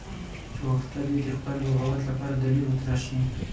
چې غوښتل یې د خپل بغاوت لپاره دلیل وتراشي.